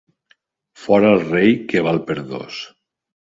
Fora el rei, que val per dos.